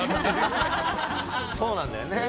そうなんだよね。